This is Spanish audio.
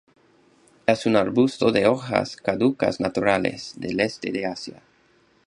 Es un arbusto de hojas caducas naturales del este de Asia.